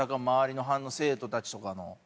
周りの反応生徒たちとかの。